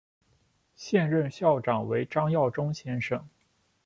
现任校长为张耀忠先生。